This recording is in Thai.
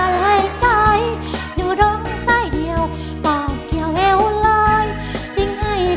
โปรดติดตามตอนต่อไป